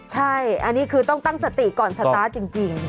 ใช่อันนี้คือต้องตั้งสติก่อนสตาร์ทจริง